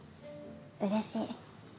うれしい。